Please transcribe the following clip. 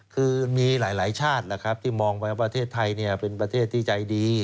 คือมีหลายชาติที่มองประเทศไทยเป็นประเทศที่ใจดี